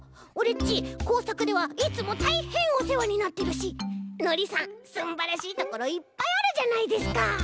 ちこうさくではいつもたいへんおせわになってるしのりさんすんばらしいところいっぱいあるじゃないですか。